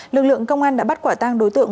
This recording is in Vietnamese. lực lượng công an đã bắt quả tang đối tượng